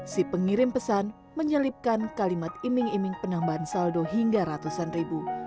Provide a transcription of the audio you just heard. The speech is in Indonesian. si pengirim pesan menyelipkan kalimat iming iming penambahan saldo hingga ratusan ribu